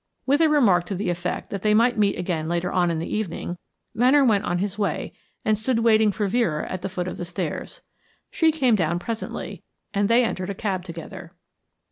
With a remark to the effect that they might meet again later on in the evening, Venner went on his way and stood waiting for Vera at the foot of the stairs. She came down presently, and they entered a cab together.